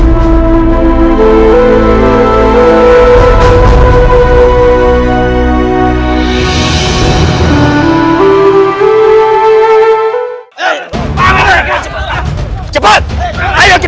tentukan breeding matki